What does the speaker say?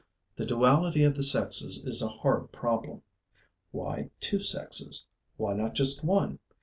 The duality of the sexes is a hard problem. Why two sexes? Why not just one?